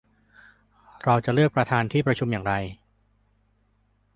เราจะเลือกประธานที่ประชุมอย่างไร